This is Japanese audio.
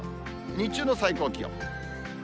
日中の最高気温。